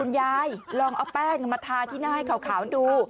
ยายลองเอาแป้งมาทาที่หน้าให้ขาวดู